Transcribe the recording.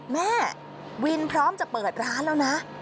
แม่วินพร้อมจะเปิดร้านแล้วนะ